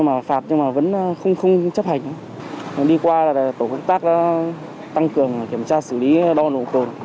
máy yêu cầu kiểm tra lại luôn